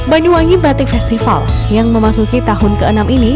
banyuwangi batik festival yang memasuki tahun ke enam ini